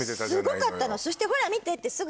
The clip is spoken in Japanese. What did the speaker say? すごかったの。